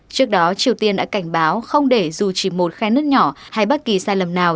trước đó triều tiên đã cảnh báo không để dù chỉ một khe nước nhỏ hay bất kỳ sai lầm nào